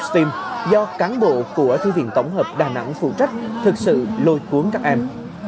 trải nghiệm giáo dục stem do cán bộ của thư viện tổng hợp đà nẵng phụ trách thực sự lôi cuốn các em